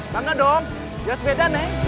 belanda dong jelas beda neng